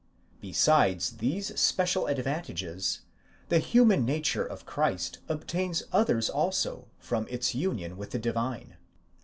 Be sides these special advantages, the human nature of Christ obtains others also from its union with the divine.